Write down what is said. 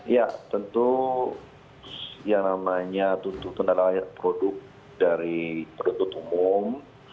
ya tentu yang namanya tuntutan adalah produk dari penuntut umum